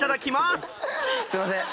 すいません。